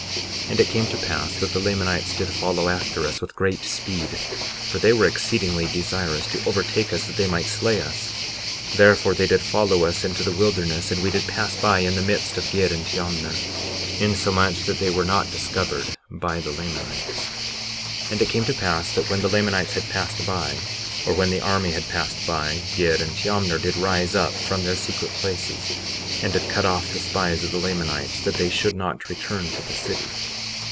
58:19 And it came to pass that the Lamanites did follow after us with great speed, for they were exceedingly desirous to overtake us that they might slay us; therefore they did follow us into the wilderness; and we did pass by in the midst of Gid and Teomner, insomuch that they were not discovered by the Lamanites. 58:20 And it came to pass that when the Lamanites had passed by, or when the army had passed by, Gid and Teomner did rise up from their secret places, and did cut off the spies of the Lamanites that they should not return to the city.